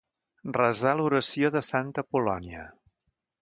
Resar l'oració de santa Apol·lònia.